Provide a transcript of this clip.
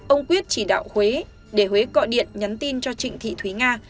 ông quyết chỉ đạo huế để huế gọi điện nhắn tin cho trịnh thị thúy nga